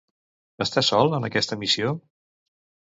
Està sol en aquesta missió?